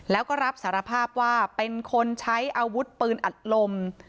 แล้วก็รับสารภาพว่าเป็นคนใช้อาวุธปืนอัดลม